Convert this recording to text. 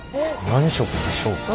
何色でしょうか。